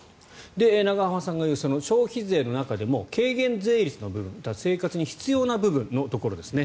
で、永濱さんが言う消費税の中でも軽減税率の部分生活に必要な部分のところですね。